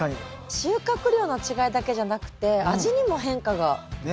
収穫量の違いだけじゃなくて味にも変化が。